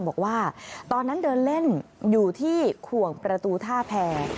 บอกว่าตอนนั้นเดินเล่นอยู่ที่ขวงประตูท่าแพร